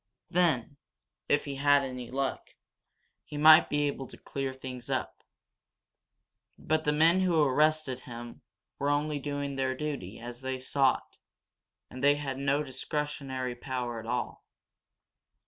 Then, if he had any luck, he might be able to clear things up. But the men who arrested him were only doing their duty as they saw it, and they had no discretionary power at all.